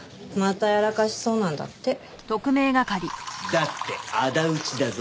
だって仇討ちだぞ。